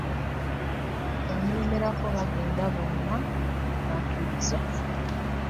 Yamulemerako bagende bonna era n'akkirizza .